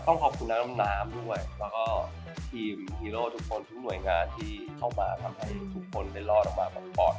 ขอบคุณน้องน้ำด้วยแล้วก็ทีมฮีโร่ทุกคนทุกหน่วยงานที่เข้ามาทำให้ทุกคนได้รอดออกมาหมดก่อน